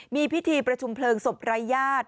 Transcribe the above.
มีพิธีประชุมเพลิงศพรายญาติ